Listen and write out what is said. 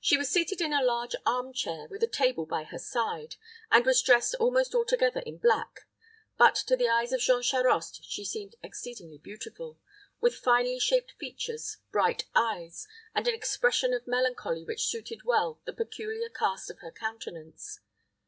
She was seated in a large arm chair, with a table by her side, and was dressed almost altogether in black; but to the eyes of Jean Charost she seemed exceedingly beautiful, with finely shaped features, bright eyes, and an expression of melancholy which suited well the peculiar cast of her countenance.